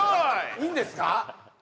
いいんですか？